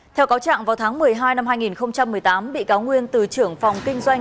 theo cáo trạng vào tháng một mươi hai năm hai nghìn một mươi tám bị cáo nguyên từ trưởng phòng kinh doanh